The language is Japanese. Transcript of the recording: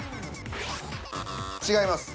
違います。